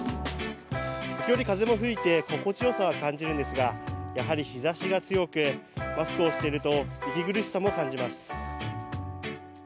時折風も吹いて、心地よさは感じるんですが、やはり日ざしが強く、マスクをしていると息苦しさも感じます。